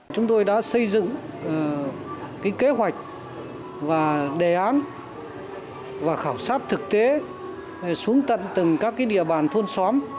chúng tôi đã xây dựng kế hoạch và đề án và khảo sát thực tế xuống tận từng các địa bàn thôn xóm